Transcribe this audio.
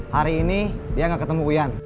hari ini dia nggak ketemu uyan